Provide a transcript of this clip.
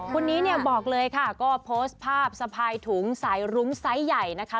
คนนี้เนี่ยบอกเลยค่ะก็โพสต์ภาพสะพายถุงสายรุ้งไซส์ใหญ่นะคะ